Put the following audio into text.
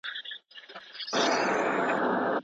فارابي ليکي چي انسان په طبيعت کي مدني دی.